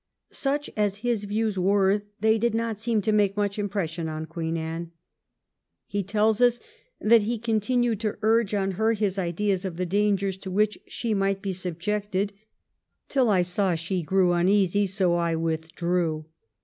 Such as his views were they did not seem to make much impression on Queen Anne. He tells us that he con tinued to urge on her his ideas of the dangers to which she might be subjected ' till I saw she grew uneasy ; so I withdrew.'